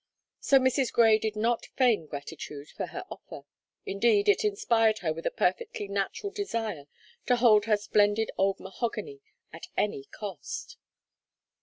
So Mrs. Grey did not feign gratitude for her offer; indeed, it inspired her with a perfectly natural desire to hold her splendid old mahogany at any cost.